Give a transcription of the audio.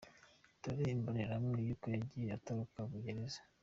Dore imbonerahamwe y'uko yagiye atoroka gereza.